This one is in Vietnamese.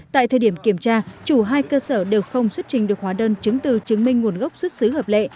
tại thời điểm kiểm tra chủ hai cơ sở đều không xuất trình được hóa đơn chứng từ chứng minh nguồn gốc xuất xứ hợp lệ